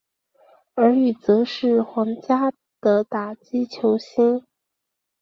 而与则是皇家的打击球星。